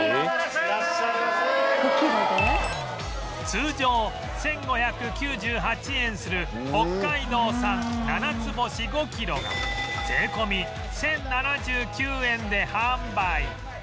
通常１５９８円する北海道産ななつぼし５キロが税込１０７９円で販売